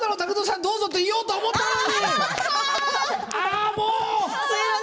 どうぞと言ようと思ったのに。